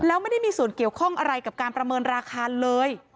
แล้วไม่ได้มีส่วนเกี่ยวข้องอะไรกับการประเมินราคาเลย